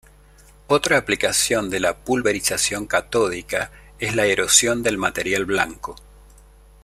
Otra aplicación de la pulverización catódica es la erosión del material blanco.